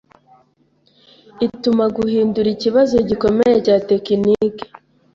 ituma guhindura ikibazo gikomeye cya tekiniki